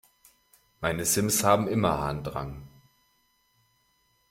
Meine Sims haben immer Harndrang.